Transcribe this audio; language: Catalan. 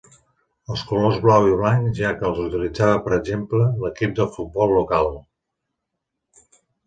Els colors blau i blanc ja els utilitzava, per exemple, l'equip de futbol local.